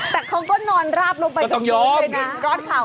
แต่เขาก็นอนราบลงไปแบบนี้เลยนะ